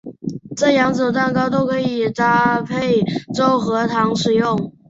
这两种蛋糕都可以搭配粥和糖食用。